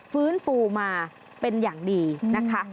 ฟื้นฟูมาเป็นอย่างดีนะคะ